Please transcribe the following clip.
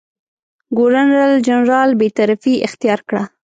ګورنرجنرال بېطرفي اختیار کړه.